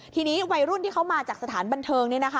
ทีนี้วัยรุ่นที่เขามาจากสถานบันเทิง